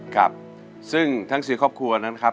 ครับซึ่งทั้ง๔ครอบครัวนั้นครับ